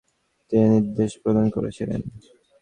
তিনি নির্দেশ প্রদান করেছিলেন।